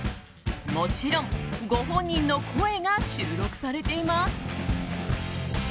もちろん、ご本人の声が収録されています。